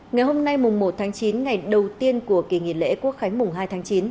ngày hôm nay mùng một tháng chín ngày đầu tiên của kỳ nghỉ lễ quốc khánh mùng hai tháng chín